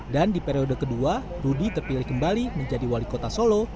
di periode kedua rudy terpilih kembali menjadi wali kota solo